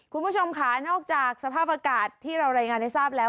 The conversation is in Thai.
คุณผู้ชมค่ะนอกจากสภาพอากาศที่เรารายงานให้ทราบแล้ว